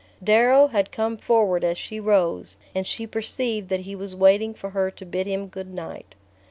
Darrow had come forward as she rose, and she perceived that he was waiting for her to bid him good night.